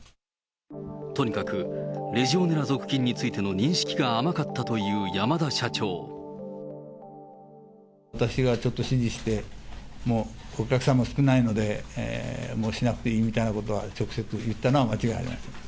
とにかくレジオネラ属菌についての認識が甘かったという山田私がちょっと指示して、もうお客さんも少ないので、もうしなくていいみたいなことは、直接言ったのは間違いありません。